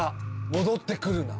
「戻ってくるな」